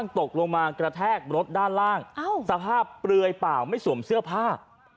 ตกลงมากระแทกรถด้านล่างสภาพเปลือยเปล่าไม่สวมเสื้อผ้า